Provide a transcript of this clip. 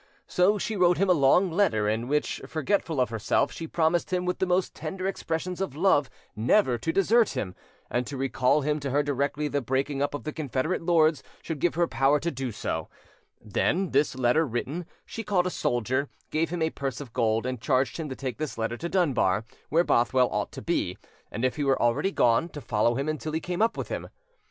So she wrote him a long letter, in which, forgetful of herself, she promised him with the most tender expressions of love never to desert him, and to recall him to her directly the breaking up of the Confederate lords should give her power to do so; then, this letter written, she called a soldier, gave him a purse of gold, and charged him to take this letter to Dunbar, where Bothwell ought to be, and if he were already gone, to follow him until he came up with him.